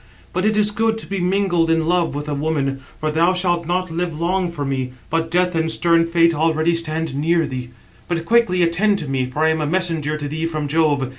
But it is good to be mingled in love with a woman; for thou shalt not live long for me, but Death and stern Fate already stand near thee. But quickly attend to me, for I am a messenger to thee from Jove.